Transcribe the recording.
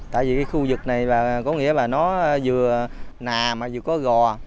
tại vì khu vực này có nghĩa là nó vừa nà mà vừa có gò